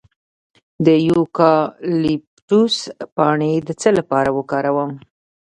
د یوکالیپټوس پاڼې د څه لپاره وکاروم؟